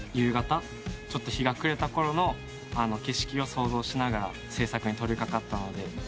ちょっと日が暮れたころの景色を想像しながら制作に取り掛かったので。